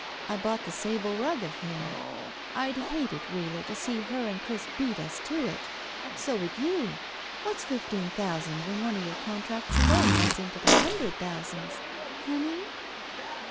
I bought the sable rug of him. I'd hate it, Wheeler, to see her and Chris beat us to it. So would you. What's fifteen thousand when one of your contracts alone runs into the hundred thousands? Honey?"